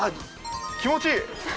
気持ちいい！